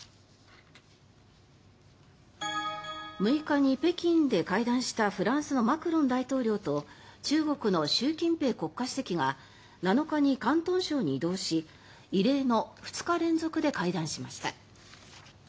６日に北京で会談したフランスのマクロン大統領と中国の習近平国家主席が７日に広東省に移動し異例の２日連続で会談しました。